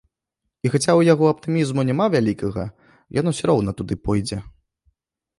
І хаця ў яго аптымізму няма вялікага, ён ўсё роўна туды пойдзе.